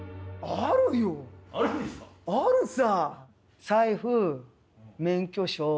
あるさ！